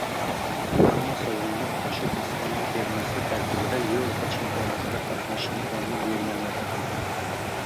Ammo sovringa qoʻshib Ispaniya termasi tarkibida Yevropa chempionatida qatnashish imkonini berganlarida ham